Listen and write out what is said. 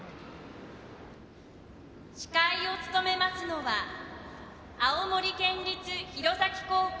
司会を務めますのは青森県立弘前高校